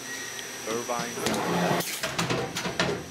Irvine was a left winger.